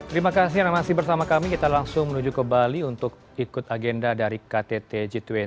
terima kasih yang masih bersama kami kita langsung menuju ke bali untuk ikut agenda dari ktt g dua puluh